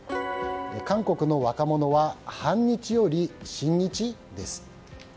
韓国の若者は反日より親日？です。